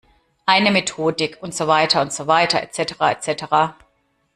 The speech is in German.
Eine Methodik und so weiter und so weiter, et cetera, et cetera.